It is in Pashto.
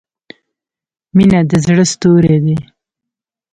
• مینه د زړۀ ستوری دی.